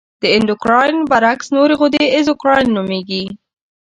د اندورکراین برعکس نورې غدې اګزوکراین نومیږي.